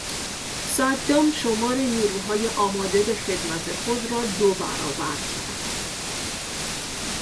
صدام شمار نیروهای آماده به خدمت خود را دو برابر کرد.